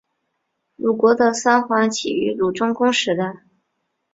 鲁国的三桓起于鲁庄公时代。